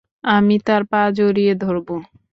আমি তাঁর পা জড়িয়ে ধরব।